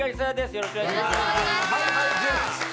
よろしくお願いします。